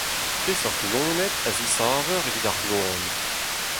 Peseurt loened a zesaver evit ar gloan ?